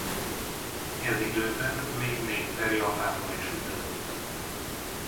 Ez időben még négyszer Japánba is utazott.